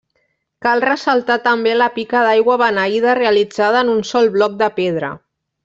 Cal ressaltar també la pica d'aigua beneïda realitzada en un sol bloc de pedra.